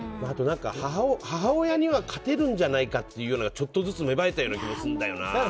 あと、母親には勝てるんじゃないかっていうのがちょっとずつ芽生えたような気もするんだよな。